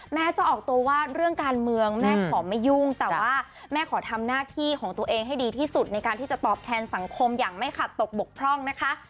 แม่จะออกตัวว่าเรื่องการเมืองแม่ขอไม่ยุ่งแต่ว่าแม่ขอทำหน้าที่ของตัวเองให้ดีที่สุดในการที่จะตอบแทนสังคมอย่างไม่ขาดตกบกพร่องนะคะ